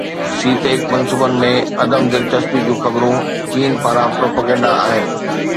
سي pack منصوبن ۾ عدم دلچسپي جون خبرون چين پاران پروپيگنڊا آهن